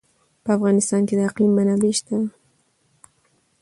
په افغانستان کې د اقلیم منابع شته.